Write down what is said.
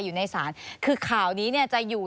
อยู่ในสารคือข่าวนี้จะอยู่